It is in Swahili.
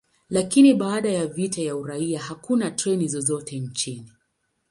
Lakini baada ya vita vya uraia, hakuna treni zozote nchini.